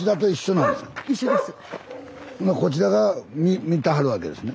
こちらが見てはるわけですね